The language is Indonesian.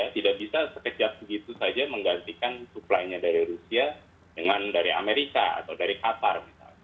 tidak bisa sekejap begitu saja menggantikan supply nya dari rusia dengan dari amerika atau dari qatar